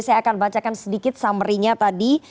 saya akan bacakan sedikit summary nya tadi